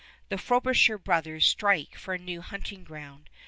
The Frobisher brothers strike for new hunting ground.